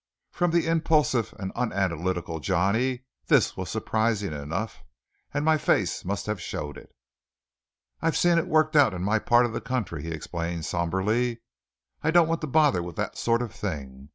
From the impulsive and unanalytical Johnny this was surprising enough, and my face must have showed it. "I've seen it worked out in my part of the country," he explained sombrely. "I don't want to bother with that sort of thing.